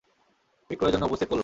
বিক্রয়ের জন্য উপস্থিত করল।